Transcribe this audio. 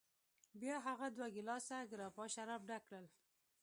بیا هغه دوه ګیلاسه ګراپا شراب ډک کړل.